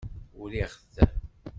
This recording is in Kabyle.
Uriɣ-t.